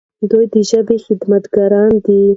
دوی د ژبې خدمتګاران دي.